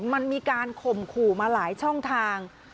มันมีการข่มขู่มาหลายช่องทาง